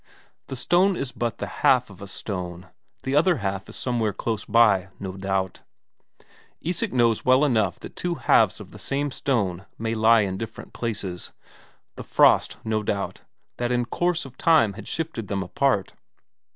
The stone is but the half of a stone, the other half is somewhere close by, no doubt. Isak knows well enough that two halves of the same stone may lie in different places; the frost, no doubt, that in course of time had shifted them apart.